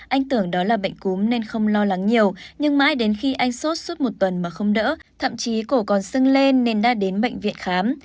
anh tưởng đó là bệnh cúm nên không lo lắng nhiều nhưng mãi đến khi anh sốt suốt một tuần mà không đỡ thậm chí cổ còn sưng lên nên đã đến bệnh viện khám